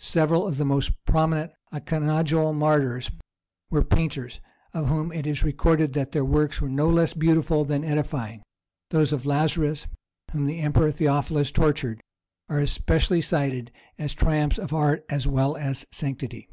Several of the most prominent "Iconodule" martyrs were painters, of whom it is recorded that their works were no less beautiful than edifying: those of Lazarus, whom the Emperor Theophilus tortured, are especially cited as triumphs of art as well as sanctity.